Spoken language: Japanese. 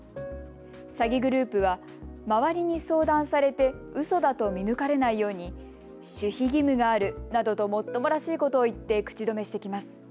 詐欺グループは周りに相談されて、うそだと見抜かれないように守秘義務があるなどともっともらしいことを言って口止めしてきます。